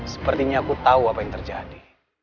sepertinya aku tahu apa yang terjadi